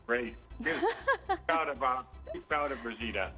terutama di rosida